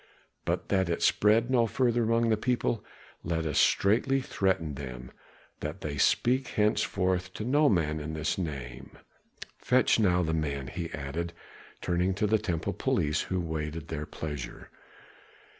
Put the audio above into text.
But that it spread no further among the people, let us straitly threaten them, that they speak henceforth to no man in this name. Fetch now the men," he added, turning to the temple police who waited their pleasure.